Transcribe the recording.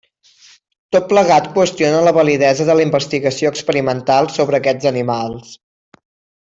Tot plegat qüestiona la validesa de la investigació experimental sobre aquests animals.